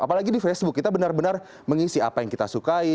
apalagi di facebook kita benar benar mengisi apa yang kita sukai